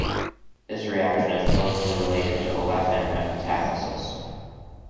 This reaction is closely related to olefin metathesis.